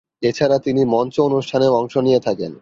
এছাড়া তিনি মঞ্চ অনুষ্ঠানেও অংশ নিয়ে থাকেন।